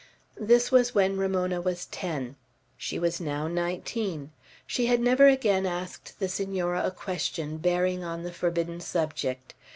This was when Ramona was ten. She was now nineteen. She had never again asked the Senora a question bearing on the forbidden subject.